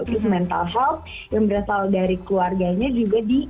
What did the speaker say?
terus mental health yang berasal dari keluarganya juga di